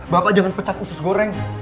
bapak jangan pecat usus goreng